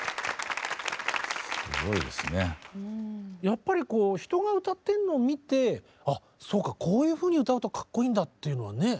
やっぱりこう人が歌ってんのを見て「あそうか。こういうふうに歌うとかっこいいんだ」っていうのはね。